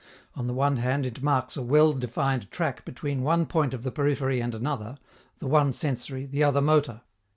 On the one hand, it marks a well defined track between one point of the periphery and another, the one sensory, the other motor.